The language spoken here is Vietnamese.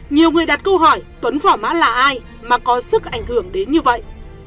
nhiều người đặt câu hỏi tuấn vỏ mã là ai mà có sức ảnh hưởng đến như vậy